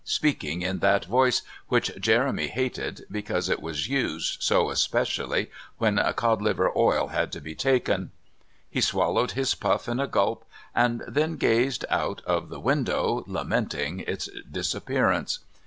speaking in that voice which Jeremy hated, because it was used, so especially, when cod liver oil had to be taken. He swallowed his puff in a gulp, and then gazed out of the window lamenting its disappearance.